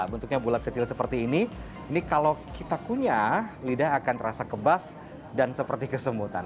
bentuknya bulat kecil seperti ini ini kalau kita kunyah lidah akan terasa kebas dan seperti kesemutan